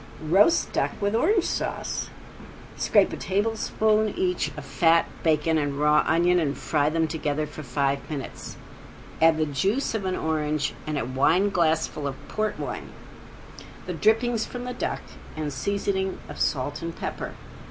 ~ROAST DUCK WITH ORANGE SAUCE~ Scrape a tablespoonful each of fat, bacon, and raw onion and fry them together for five minutes. Add the juice of an orange and a wine glassful of port wine, the drippings from the duck and seasoning of salt and pepper.